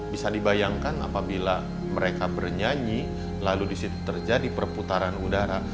bisa dibayangkan apabila mereka bernyanyi lalu di situ terjadi perputaran udara